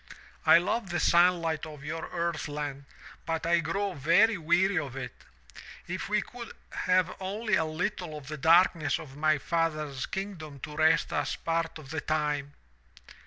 I love the sunlight of your earth land, but I grow very weary of it. If we could have only a little of the darkness of my father's kingdom to rest us part of the time!'